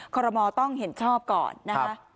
คอรมอลต้องเห็นชอบก่อนนะคะ